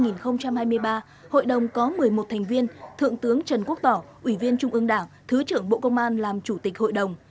năm hai nghìn hai mươi ba hội đồng có một mươi một thành viên thượng tướng trần quốc tỏ ủy viên trung ương đảng thứ trưởng bộ công an làm chủ tịch hội đồng